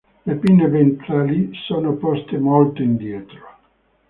Le pinne ventrali sono poste molto indietro.